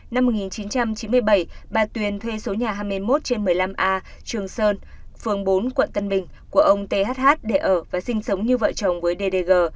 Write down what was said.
năm một nghìn chín trăm chín mươi bảy bà tuyền thuê số nhà hai mươi một trên một mươi năm a trường sơn phường bốn quận tân bình của ông th để ở và sinh sống như vợ chồng với ddg